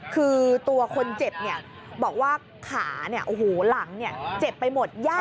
คือตัวคนเจ็บบอกว่าขาหลังเจ็บไปหมด